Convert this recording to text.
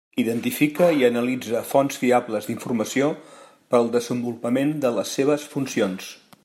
Identifica i analitza fonts fiables d'informació per al desenvolupament de les seves funcions.